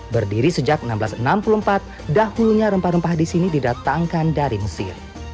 berdiri sejak seribu enam ratus enam puluh empat dahulunya rempah rempah di sini didatangkan dari mesir